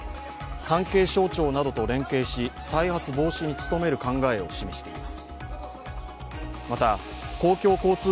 関係省庁などと連携し再発防止に努める考えを示しています。